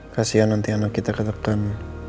kasian nanti anak kita ketekan